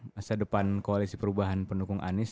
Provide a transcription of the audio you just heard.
masa depan koalisi perubahan pendukung anies